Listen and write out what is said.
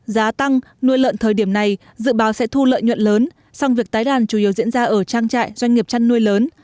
giá tăng nuôi lợn thời điểm này dự báo sẽ thu lợi nhuận lớn song việc tái đàn chủ yếu diễn ra ở trang trại doanh nghiệp chăn nuôi lớn